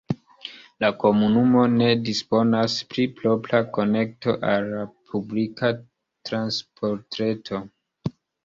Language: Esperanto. La komunumo ne disponas pri propra konekto al la publika transportreto.